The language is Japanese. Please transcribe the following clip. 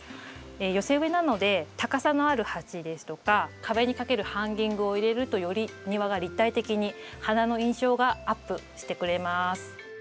寄せ植えなので高さのある鉢ですとか壁に掛けるハンギングを入れるとより庭が立体的に花の印象がアップしてくれます。